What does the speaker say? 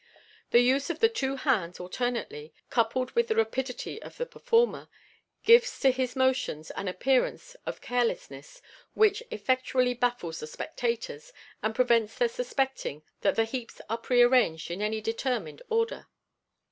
The use of the two hands alternately, coupled with the rapidity of the performer, gives to his motions an appearance of carelessness which effectually baffles the spectators, and prevents their suspecting that the heaps are re arranged in any determinate order.